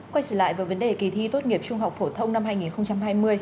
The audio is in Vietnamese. quay trở lại với vấn đề kỳ thi tốt nghiệp trung học phổ thông năm hai nghìn hai mươi